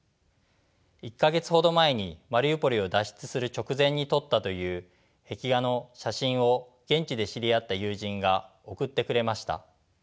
１か月ほど前にマリウポリを脱出する直前に撮ったという壁画の写真を現地で知り合った友人が送ってくれました。